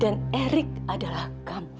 dan erik adalah kamu vin